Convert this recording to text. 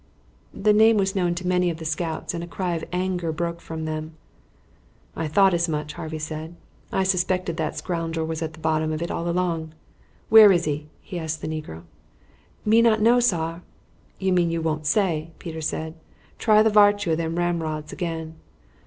The name was known to many of the scouts, and a cry of anger broke from them. "I thought as much," Harvey said. "I suspected that scoundrel was at the bottom of it all along. Where is he?" he asked the negro. "Me not know, sar." "You mean you won't say," Peter said. "Try the vartue of them ramrods again."